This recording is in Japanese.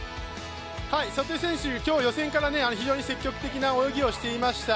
瀬戸選手、今日、予選から積極的な泳ぎをしていました。